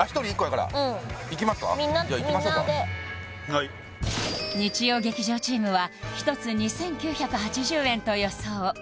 みんなではい日曜劇場チームは１つ２９８０円と予想